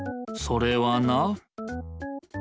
それはな。